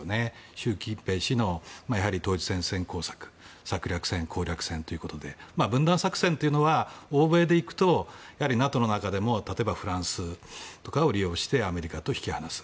習近平氏の統治戦線工作策略戦、攻略戦ということで分断作戦というのは欧米で行くと例えばＮＡＴＯの中でも例えば、フランスとかを利用してアメリカと引き離す。